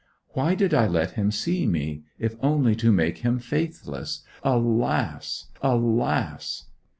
Why did I let him see me, if only to make him faithless. Alas, alas!